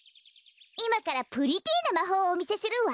いまからプリティーなまほうをおみせするわ。